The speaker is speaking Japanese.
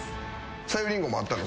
さゆりんごもあったの？